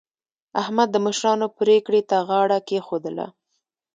احمد د مشرانو پرېکړې ته غاړه کېښودله.